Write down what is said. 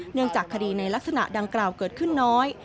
เนื่องจากคดีในลักษณะดังกล่าวเกิดขึ้นน้อย